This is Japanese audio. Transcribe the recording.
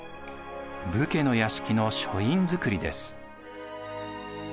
武家の屋敷の書院造です。